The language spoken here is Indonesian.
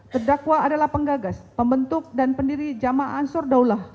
terdakwa adalah penggagas pembentuk dan pendiri jama'an surdaulah